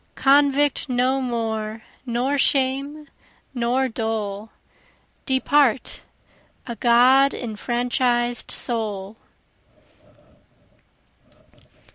Convict no more, nor shame, nor dole! Depart a God enfranchis'd soul!